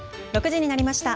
６時になりました。